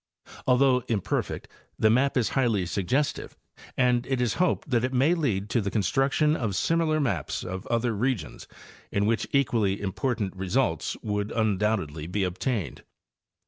Although imperfect, the map is highly suggestive, and it is hoped that it may lead to the construction of similar maps of other regions in which equally important results would 'undoubtedly be obtained.